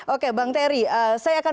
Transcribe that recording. oke bang terry saya akan